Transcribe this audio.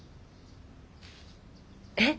えっ！